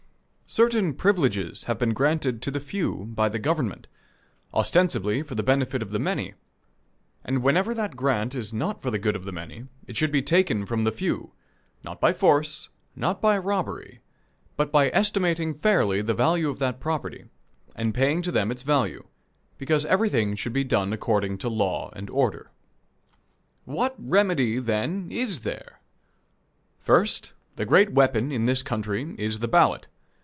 Certain privileges have been granted to the few by the Government, ostensibly for the benefit of the many; and whenever that grant is not for the good of the many, it should be taken from the few not by force, not by robbery, but by estimating fairly the value of that property, and paying to them its value; because everything should be done according to law and order. What remedy, then, is there? First, the great weapon in this country is the ballot.